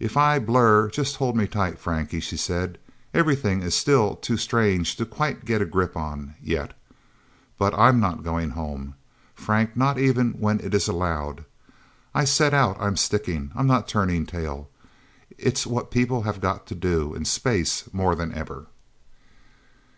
"If I blur, just hold me tight, Frankie," she said. "Everything is still too strange to quite get a grip on yet... But I'm not going home, Frank not even when it is allowed. I set out I'm sticking I'm not turning tail. It's what people have got to do in space more than ever..."